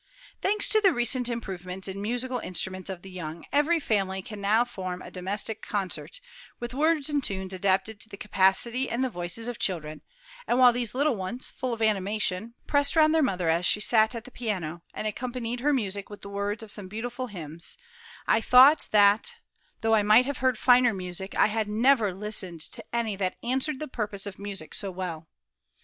Thanks to the recent improvements in the musical instruction of the young, every family can now form a domestic concert, with words and tunes adapted to the capacity and the voices of children; and while these little ones, full of animation, pressed round their mother as she sat at the piano, and accompanied her music with the words of some beautiful hymns, I thought that, though I might have heard finer music, I had never listened to any that answered the purpose of music so well.